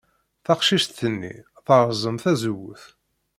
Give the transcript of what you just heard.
Taqcict-nni terẓem tazewwut.